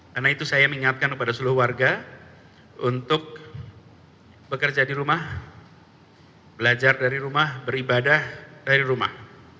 kami juga memaksakan masyarakat keluarga untuk bekerja di rumah belajar dari rumah beribadah dari rumah